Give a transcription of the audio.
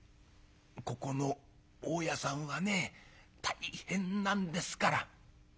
「ここの大家さんはね大変なんですから」。